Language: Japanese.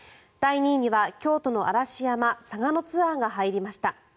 第２位には京都の嵐山・嵯峨野ツアーが入ります。